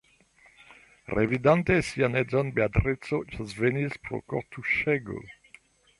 Revidante sian edzon, Beatrico svenis pro kortuŝego.